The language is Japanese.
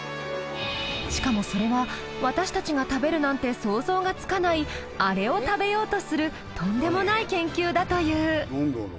しかもそれは私たちが食べるなんて想像がつかない「アレ」を食べようとするとんでもない研究だという。